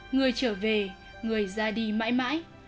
người trở về người ra đi mãi mãi